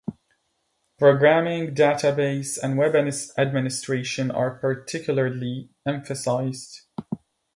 Programming, database and web administration are particularly emphasized.